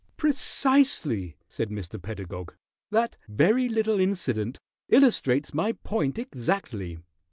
"Precisely," said Mr. Pedagog. "That very little incident illustrates my point exactly.